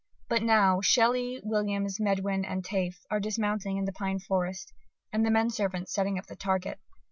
But now Shelley, Williams, Medwin, and Taafe are dismounting in the pine forest, and the men servants setting up the target.